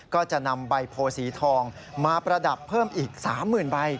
ก็จะนำใบโพสีทองมาประดับเพิ่มอีก๓๐๐๐ใบ